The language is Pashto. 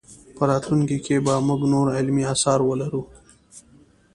په راتلونکي کې به موږ نور علمي اثار ولرو.